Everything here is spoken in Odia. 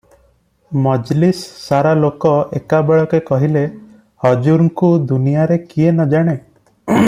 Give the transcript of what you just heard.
"ମଜଲିସ୍ ସାରା ଲୋକ ଏକାବେଳକେ କହିଲେ ହଜୁରଙ୍କୁ ଦୁନିଆଁରେ କିଏ ନ ଜାଣେ?